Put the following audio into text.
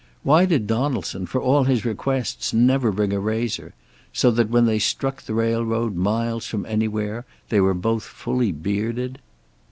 Why did Donaldson, for all his requests, never bring a razor, so that when they struck the railroad, miles from anywhere, they were both full bearded?